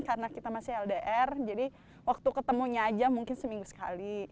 karena kita masih ldr jadi waktu ketemunya aja mungkin seminggu sekali